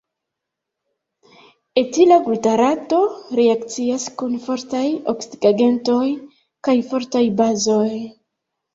Etila glutarato reakcias kun fortaj oksidigagentoj kaj fortaj bazoj.